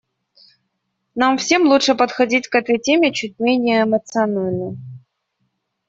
Нам всем лучше подходить к этой теме чуть менее эмоционально.